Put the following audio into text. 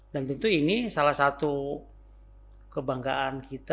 dan tentu ini juga adalah sebuah kemampuan yang sangat penting untuk kita